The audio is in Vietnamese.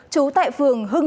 trú tại phường hưng